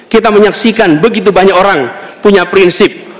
kita menyaksikan begitu banyak orang punya prinsip